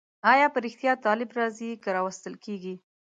آیا په رښتیا طالب راځي که راوستل کېږي؟